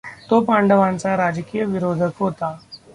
तो पांडवांचा राजकीय विरोधक होता.